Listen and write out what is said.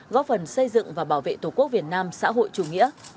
góp phần xây dựng và bảo vệ tổ quốc việt nam xã hội chủ nghĩa